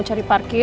oh baik pak